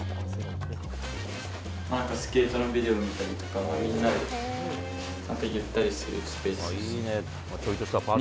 スケートのビデオ見たりとか、みんなでなんかゆったりするスペースですね。